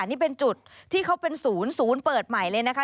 นี่เป็นจุดที่เขาเป็นศูนย์ศูนย์เปิดใหม่เลยนะคะ